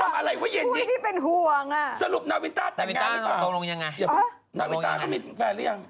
มันเหลืออยู่สูงหน้ากลัวเป็นห่วงพูดอย่างที่เป็นห่วงอ่ะสรุปนาวินต้าแต่งงานหรือเปล่านาวินต้าก็มีแฟนหรือยัง